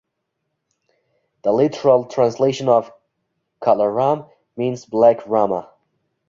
The literal translation of "kalaram" means black Rama.